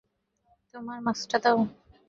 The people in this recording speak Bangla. তোমার মাস্কটা দাও।